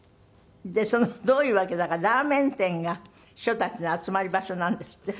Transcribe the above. でそのどういうわけだかラーメン店が秘書たちの集まり場所なんですって？